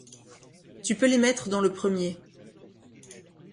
tu peux les mettre dans le premier.